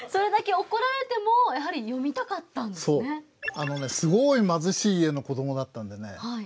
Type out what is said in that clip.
あのねすごい貧しい家の子どもだったんでね